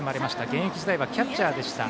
現役時代はキャッチャーでした。